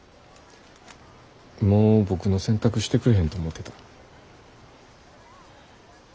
もう僕の洗濯してくれへんと思うてた。